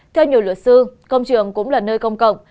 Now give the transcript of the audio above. theo nhiều luật sư công trường cũng là nơi công cộng